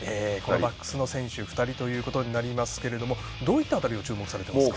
バックスの選手２人ということになりますがどういった辺りを注目されていますか？